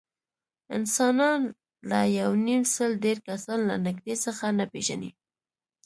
انسانان له یونیمسل ډېر کسان له نږدې څخه نه پېژني.